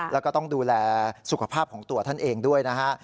แล้วก็ต้องดูแลสุขภาพของตัวท่านเองด้วยนะฮะ